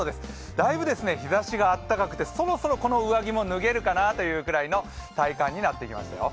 だいぶ日ざしがあったかくてそろそろこの上着も脱げるかなというくらいの体感になってきましたよ。